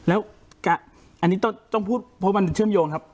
แล้วอันนี้ต้องพูดเพราะมันเชื่อมโยงครับ